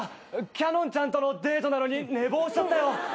キャノンちゃんとのデートなのに寝坊しちゃったよ。